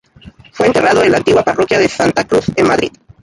Fue enterrado en la antigua parroquia de Santa Cruz, en Madrid.